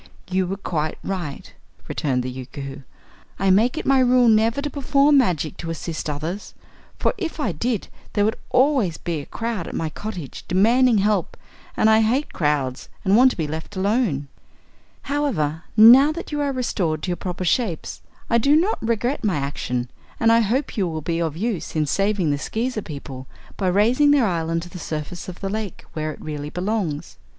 "You were quite right," returned the Yookoohoo. "I make it my rule never to perform magic to assist others, for if I did there would always be crowd at my cottage demanding help and I hate crowds and want to be left alone." "However, now that you are restored to your proper shapes, I do not regret my action and I hope you will be of use in saving the Skeezer people by raising their island to the surface of the lake, where it really belongs.